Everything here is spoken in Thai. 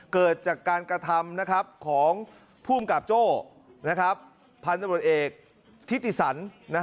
เกิดจากการกระทำของภูมิกับโจ้พันธุ์ตำรวจเอกทิติสัน